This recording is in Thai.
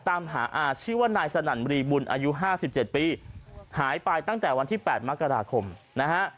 ตามหาอาชื่อว่านายสนั่นบรีบุญอายุ๕๗ปีหายไปตั้งแต่วันที่๘มกราคมนะฮะ